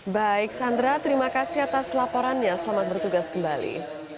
baik sandra terima kasih atas laporannya selamat bertugas kembali